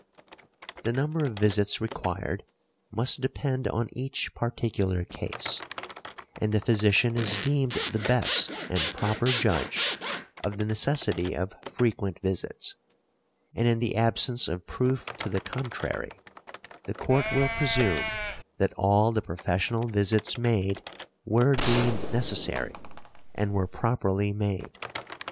The number of visits required must depend on each particular case, and the physician is deemed the best and proper judge of the necessity of frequent visits; and in the absence of proof to the contrary, the Court will presume that all the professional visits made were deemed necessary and were properly made .